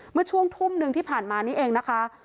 เมื่อช่วงทุ่มหนึ่งที่ผ่านมานี่เองนะคะ